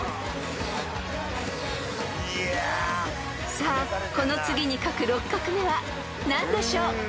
［さあこの次に書く６画目は何でしょう］